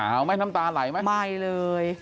อ้าวไม่น้ำตาลไหลไหมไม่เลย